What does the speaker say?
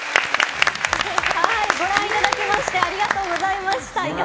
ご覧いただきましてありがとうございました。